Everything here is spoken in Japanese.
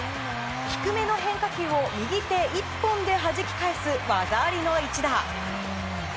低めの変化球を右手１本ではじき返す技ありの一打。